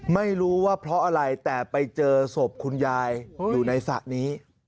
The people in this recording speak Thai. ไม่รู้ว่าเพราะอะไรแต่ไปเจอศพคุณยายอยู่ในสระนี้